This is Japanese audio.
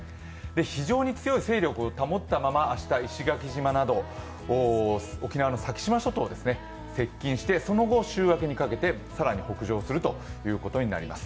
非常に強い勢力を保ったまま明日、石垣島など沖縄の先島諸島に接近して、その後週明けにかけて、更に北上するということになります。